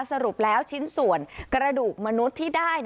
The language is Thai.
สรุปแล้วชิ้นส่วนกระดูกมนุษย์ที่ได้